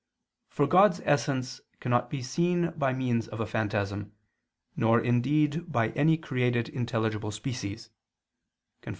For God's essence cannot be seen by means of a phantasm, nor indeed by any created intelligible species [*Cf.